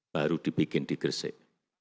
baru dibikin digresik